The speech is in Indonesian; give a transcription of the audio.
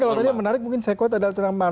kalau tadi yang menarik mungkin saya quote adalah